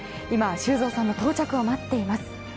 今、修造さんの到着を待っています。